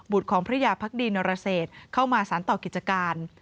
ของพระยาพักดีนรเศษเข้ามาสารต่อกิจการ